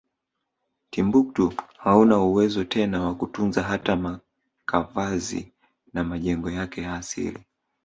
Timbuktu hauna uwezo tena wakutunza hata makavazi na majengo yake ya asili